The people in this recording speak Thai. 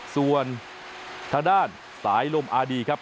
ส่วนทางด้านสายบริการอาร์ดีครับ